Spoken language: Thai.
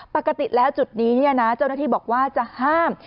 ปกติแล้วจุดนี้เจ้าหน้าที่บอกว่าจะห้าม